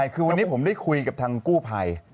คือวันนี้ผมได้คุยกับทางกู้ภัย